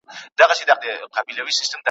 چي ستا په مخ کي د خالق د کور ښکلا ووینم ,